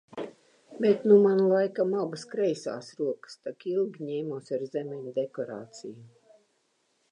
Bet nu man laikam abas kreisās rokas, tak ilgi ņēmos ar zemeņu dekorāciju.